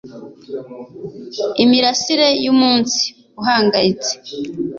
imirasire yumunsi uhangayitse